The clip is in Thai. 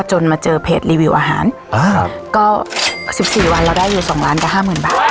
มาเจอเพจรีวิวอาหารอ่าก็สิบสี่วันเราได้อยู่สองล้านกับห้าหมื่นบาท